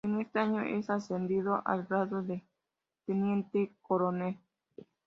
En ese año es ascendido al grado de Teniente Coronel.